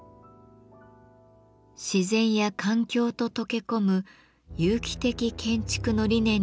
自然や環境と溶け込む「有機的建築」の理念に貫かれたライトの窓。